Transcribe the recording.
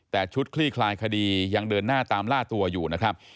แต่ชุดคลี่คลายคดียังเดินหน้าตามล่าตัวอยู่นะครับ